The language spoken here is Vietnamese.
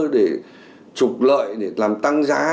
để trục lợi để làm tăng giá